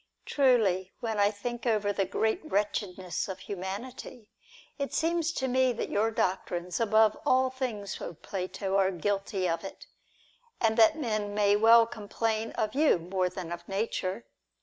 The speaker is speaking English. " Truly, when I think over the great wretchedness of humanity, it seems to me that your doctrines, above all things, Plato, are guilty of it, and that men may well complain of you more than of Nature.